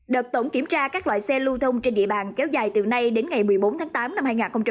đợt tổng kiểm tra các loại xe lưu thông trên địa bàn kéo dài từ nay đến ngày một mươi bốn tháng tám năm hai nghìn hai mươi